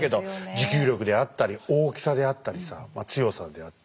持久力であったり大きさであったりさ強さであったり。